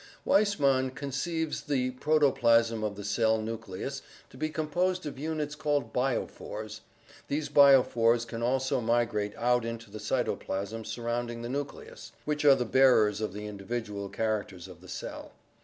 "Weismann conceives the protoplasm of the cell nucleus to be com posed of units called biophors — these biophors can also migrate out into the cytoplasm surrounding the nucleus — which are the bearers of the individual characters of the cell.